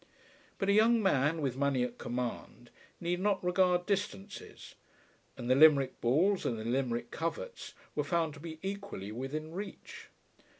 But a young man, with money at command, need not regard distances; and the Limerick balls and the Limerick coverts were found to be equally within reach.